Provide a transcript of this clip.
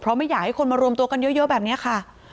เพราะไม่อยากให้คนมารวมตัวกันเยอะแบบนี้ค่ะ